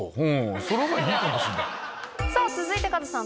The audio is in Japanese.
続いてカズさん。